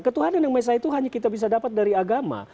ketuhanan yang maha esa itu hanya kita bisa dapat dari agama